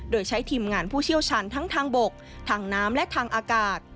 โดยใช้ทีมงานผู้เชี่ยวชาญทั้งทางบกทางน้ำและทางอากาศ